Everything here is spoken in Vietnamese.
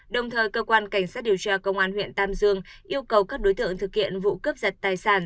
đồng thời cơ quan cảnh sát điều tra công an huyện tam dương yêu cầu các đối tượng thực hiện vụ cướp giật tài sản